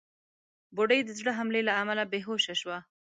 بوډۍ د زړه حملې له امله بېهوشه شوه.